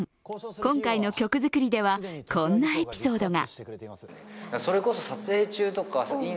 今回の曲作りではこんなエピソードが。